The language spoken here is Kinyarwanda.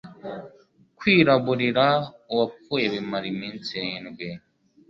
kwiraburira uwapfuye bimara iminsi irindwi